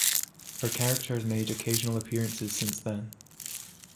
Her character has made occasional appearances since then.